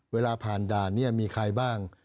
เวลาผ่านด่านนี้มีใครบ้าง